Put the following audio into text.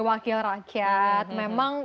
wakil rakyat memang